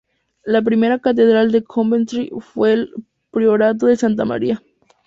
La primera catedral de Coventry fue el "priorato de Santa María".